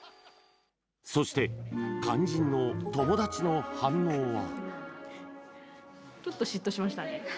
そして、肝心の友達の反応は。